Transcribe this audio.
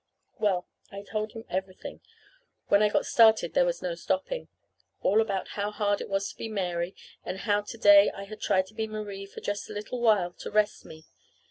Well, I told him everything (when I got started there was no stopping) all about how hard it was to be Mary, and how to day I had tried to be Marie for just a little while, to rest me.